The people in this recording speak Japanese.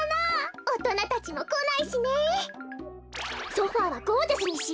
ソファーはゴージャスにしよう。